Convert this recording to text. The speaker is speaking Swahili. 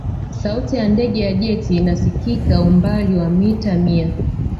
sauti ya ndege ya jet ina sikika umbali wa mita mia